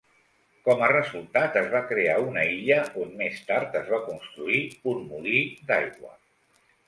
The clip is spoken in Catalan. Com a resultat, es va crear una illa on més tard es va construir un molí d'aigua.